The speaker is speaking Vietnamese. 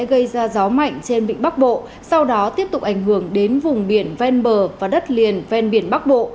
gây ra gió mạnh trên vịnh bắc bộ sau đó tiếp tục ảnh hưởng đến vùng biển ven bờ và đất liền ven biển bắc bộ